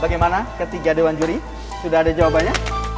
bagaimana ketiga dewan juri sudah ada jawabannya